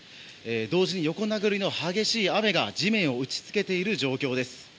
同時に横殴りの激しい雨が地面を打ち付けている状況です。